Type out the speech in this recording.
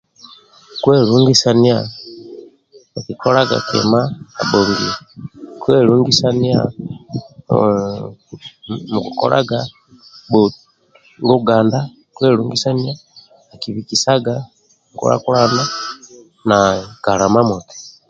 Kwelungisania akikolaga kima abhongia nanga bhukukolaga kima abhongia kwelungisania mukukolaga bhotu luganda kwelugisania akibikisaga nkulakulana na kala imamoti